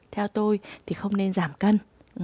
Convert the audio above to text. theo tôi thì không nên giảm cân